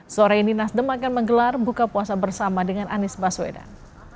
sore ini nasdem akan menggelar buka puasa bersama dengan anies baswedan